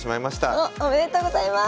おっおめでとうございます。